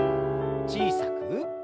小さく。